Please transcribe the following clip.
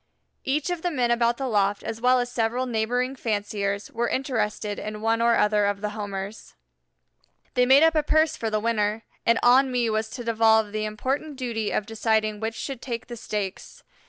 Each of the men about the loft as well as several neighboring fanciers were interested in one or other of the Homers. They made up a purse for the winner, and on me was to devolve the important duty of deciding which should take the stakes.